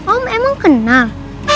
om emang kenal